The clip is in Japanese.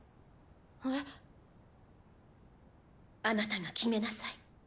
あなたが決めなさい。